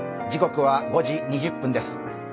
時刻は５時２０分です。